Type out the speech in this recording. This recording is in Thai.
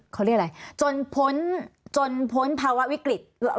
เขาเรียกอะไรจนพ้นจนพ้นภาวะวิกฤต